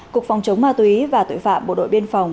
cục phòng chống ma túy và tội phạm bộ đội biên phòng